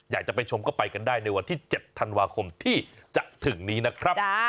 อยากจะไปชมก็ไปกันได้ในวันที่๗ธันวาคมที่จะถึงนี้นะครับ